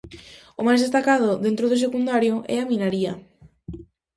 O máis destacado dentro do secundario é a minaría.